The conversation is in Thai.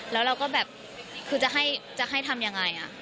แล้วเราก็แบบคือจะให้ทำยังไง